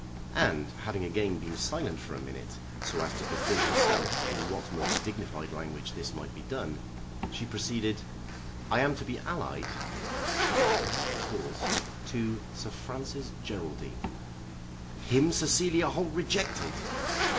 And, having again been silent for a minute, so as to bethink herself in what most dignified language this might be done, she proceeded. "I am to be allied," again there was a little pause, "to Sir Francis Geraldine!" "Him Cecilia Holt rejected!"